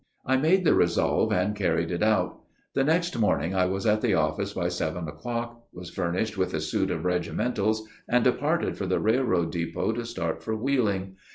I made the resolve and carried it out. The next morning I was at the office by seven o'clock, was furnished with a suit of regimentals, and departed for the railroad depot to start for Wheeling.